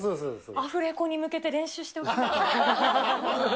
アフレコに向けて練習しておきます。